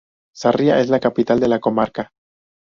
Sarria es la capital de la comarca.